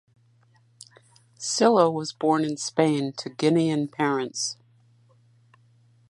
Sylla was born in Spain to Guinean parents.